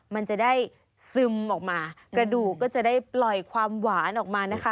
มันจะได้ซึมออกมากระดูกก็จะได้ปล่อยความหวานออกมานะคะ